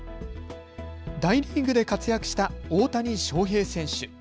大リーグで活躍した大谷翔平選手。